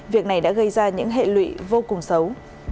việc này đã gây ra những hệ lụy vô cùng xấu